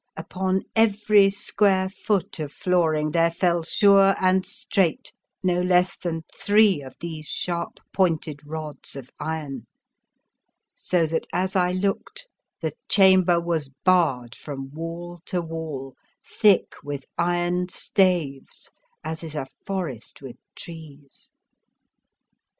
Upon every square foot of flooring The Fearsome Island there fell sure and straight no less than three of these sharp pointed rods of iron, so that as I looked the chamber was barred from wall to wall, thick with iron staves as is a forest with trees.